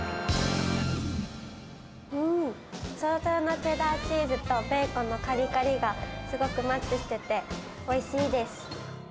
うーん、とろとろのチェダーチーズと、ベーコンのかりかりがすごくマッチしてて、おいしいです。